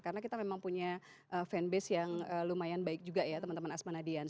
karena kita memang punya fan base yang lumayan baik juga ya teman teman asmanadia